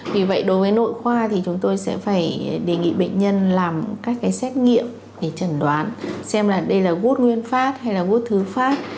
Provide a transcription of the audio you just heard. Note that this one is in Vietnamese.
vì vậy đối với nội khoa thì chúng tôi sẽ phải đề nghị bệnh nhân làm các cái xét nghiệm để chẩn đoán xem là đây là gút nguyên phát hay là gút thứ phát